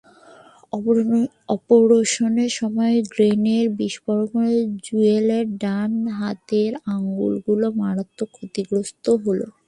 অপারেশনের সময় গ্রেনেড বিস্ফোরণে জুয়েলের ডান হাতের আঙুলগুলো মারাত্মক ক্ষতিগ্রস্ত হলো।